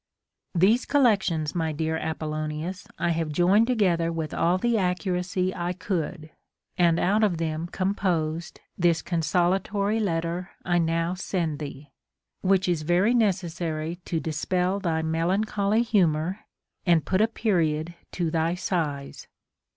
* 37. These collections, my dear Apollonius, I have joined together with all the accuracy I could, and out of them com posed this consolatory letter I now send thee, which is verv necessary to dispel thy melancholy humor and put a period to thy sighs.